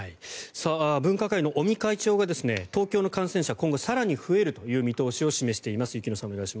分科会の尾身会長が東京の感染者今後更に増えるという見通しを示しています。